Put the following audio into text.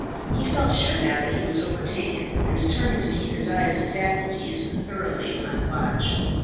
He felt sure now that he was overtaken, and determined to keep his eyes and faculties thoroughly on watch.